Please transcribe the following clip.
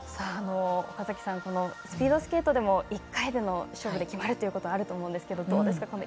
スピードスケートでも１回での勝負で決まるということがあると思うんですけどどうですか？